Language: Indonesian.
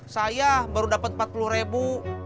saya baru dapat empat puluh ribu